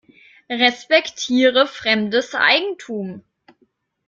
Respektiere fremdes Eigentum.